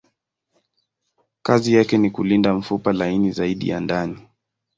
Kazi yake ni kulinda mfupa laini zaidi ya ndani.